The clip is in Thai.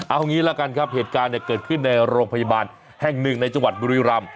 เอางี้ละกันครับเหตุการณ์เนี่ยเกิดขึ้นในโรงพยาบาลแห้ง๑ในจังหวัดบริราม